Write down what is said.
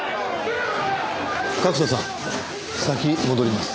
角田さん先戻ります。